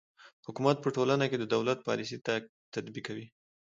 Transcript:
حکومت په ټولنه کې د دولت پالیسي تطبیقوي.